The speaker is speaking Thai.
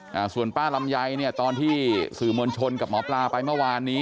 อ่าส่วนป้าลำไยเนี่ยตอนที่สื่อมวลชนกับหมอปลาไปเมื่อวานนี้